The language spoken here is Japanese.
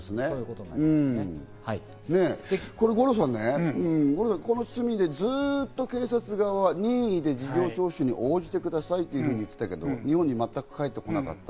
これ五郎さん、この罪でずっと警察側は任意で事情聴取に応じてくださいと言ってたけど、日本に全く帰ってこなかった。